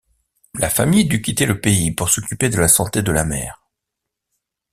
La famille dût quitter le pays pour s'occuper de la santé de la mère.